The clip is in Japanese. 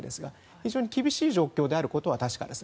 非常に厳しい状況であることは確かです。